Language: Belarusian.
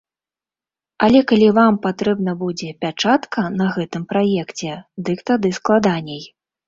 Але калі вам патрэбна будзе пячатка на гэтым праекце, дык тады складаней.